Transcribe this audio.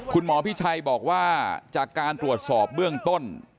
คุณหมอพิชัยบอกว่าจากการตรวจสอบเบื้องต้น